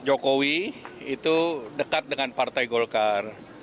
jokowi itu dekat dengan partai golkar